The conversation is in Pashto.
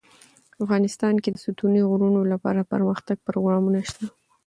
افغانستان کې د ستوني غرونه لپاره دپرمختیا پروګرامونه شته.